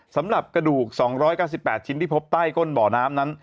สำหรับกระดูก๒๙๘ชิ้นที่พบใต้ก้นบ่อน้ำนั้น